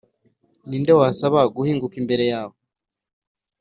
Ni nde wabasha guhinguka imbere yawe,